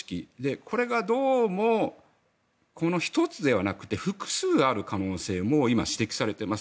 これがどうもこの１つではなくて複数ある可能性も今、指摘されています。